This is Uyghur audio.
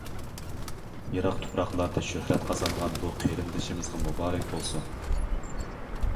يىراق تۇپراقلاردا شۆھرەت قازانغا بۇ قېرىندىشىمىزغا مۇبارەك بولسۇن!